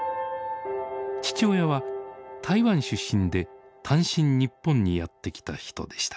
父親は台湾出身で単身日本にやって来た人でした。